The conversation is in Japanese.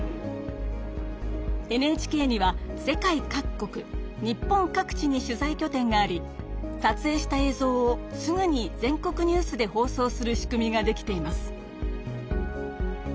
ＮＨＫには世界各国日本各地に取材きょ点がありさつえいした映像をすぐに全国ニュースで放送する仕組みができています。